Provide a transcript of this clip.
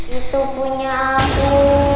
itu punya aku